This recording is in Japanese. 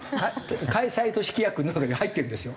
開催都市規約の中に入ってるんですよ。